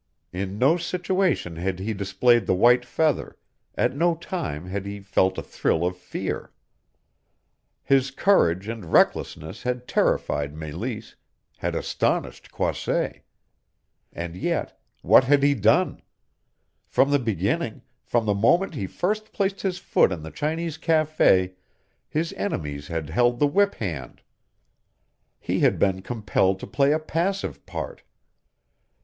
In no situation had he displayed the white feather, at no time had he felt a thrill of fear. His courage and recklessness had terrified Meleese, had astonished Croisset. And yet what had he done? From the beginning from the moment he first placed his foot in the Chinese cafe his enemies had held the whip hand. He had been compelled to play a passive part.